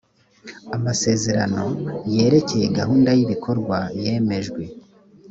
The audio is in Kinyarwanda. amasezerano yerekeye gahunda y ibikorwa yemejwe